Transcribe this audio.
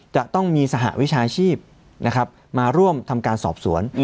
จะต้องมีสหวิชาชีพมาร่วมทำการสอบสวน